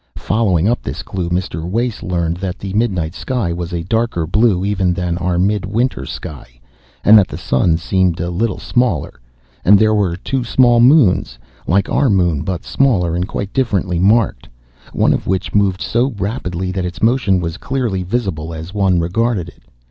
Following up this clue, Mr. Wace learned that the midnight sky was a darker blue even than our midwinter sky, and that the sun seemed a little smaller. And there were two small moons! "like our moon but smaller, and quite differently marked" one of which moved so rapidly that its motion was clearly visible as one regarded it.